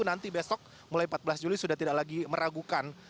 nanti besok mulai empat belas juli sudah tidak lagi meragukan